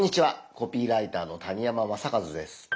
コピーライターの谷山雅計です。